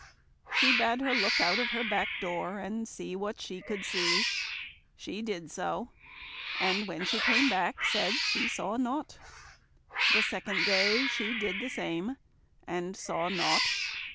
She bade her look out of her back door, and see what she could see She did so; and when she came back, said she saw nought. The second day she did the same, and saw nought.